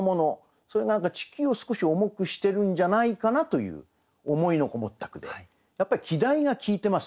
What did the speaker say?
それが何か地球を少し重くしてるんじゃないかなという思いのこもった句でやっぱり季題が効いてますね。